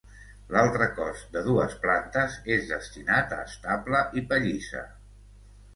L'altre cos de dues plantes és destinat a estable i pallissa.